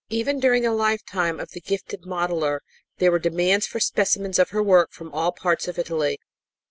Even during the lifetime of the gifted modeler there were demands for specimens of her work from all parts of Italy.